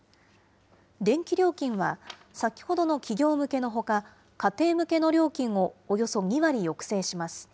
電気料金は、先ほどの企業向けのほか、家庭向けの料金をおよそ２割抑制します。